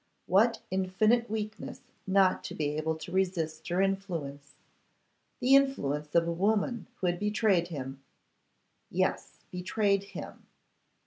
What infinite weakness not to be able to resist her influence, the influence of a woman who had betrayed him! Yes! betrayed him.